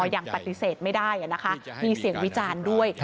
ยังปฏิเสธไม่ได้นะคะมีเสียงวิจารณ์ด้วย